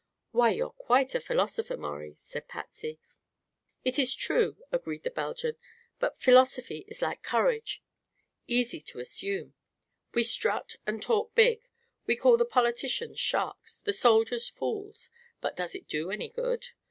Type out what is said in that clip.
"Why, you're quite a philosopher, Maurie," said Patsy. "It is true," agreed the Belgian. "But philosophy is like courage easy to assume. We strut and talk big; we call the politicians sharks, the soldiers fools; but does it do any good?